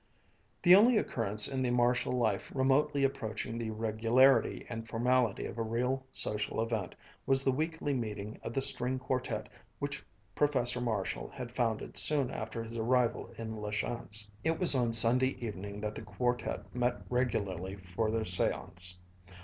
The only occurrence in the Marshall life remotely approaching the regularity and formality of a real social event was the weekly meeting of the string quartet which Professor Marshall had founded soon after his arrival in La Chance. It was on Sunday evening that the quartet met regularly for their seance.